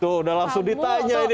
tuh udah langsung ditanya ini